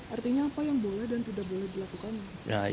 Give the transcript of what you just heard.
artinya apa yang boleh dan tidak boleh dilakukan